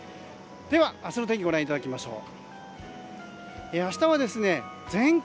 では、明日の天気をご覧いただきましょう。